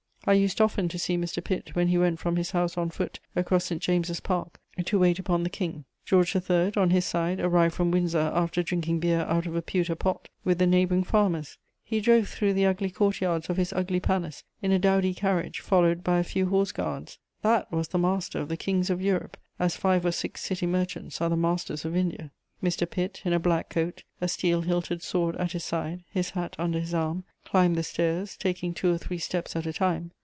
I used often to see Mr. Pitt, when he went from his house on foot across St. James's Park, to wait upon the King. George III., on his side, arrived from Windsor after drinking beer out of a pewter pot with the neighbouring farmers; he drove through the ugly court yards of his ugly palace in a dowdy carriage followed by a few Horse guards. That was the master of the Kings of Europe, as five or six City merchants are the masters of India. Mr. Pitt, in a black coat, a steel hilted sword at his side, his hat under his arm, climbed the stairs, taking two or three steps at a time.